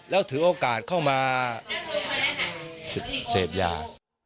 แล้วถือโอกาสเข้ามาเสพยา